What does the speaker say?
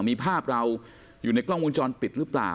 มีภาพเราอยู่ในกล้องวงจรปิดหรือเปล่า